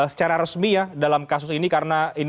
secara resmi ya dalam kasus ini